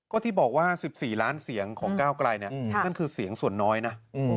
ก็ที่บอกว่า๑๔ล้านเสียงของก้าวไกลเนี่ยนั่นคือเสียงส่วนน้อยนะ